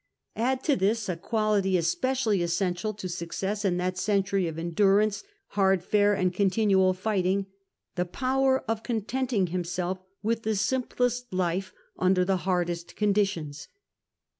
Add to this — a quality cs])ccially essential to success ill that century of endurance, hani fare, and con tinual fighting — the poAverof contenting himself Avith the simplest life under the hardest conditions.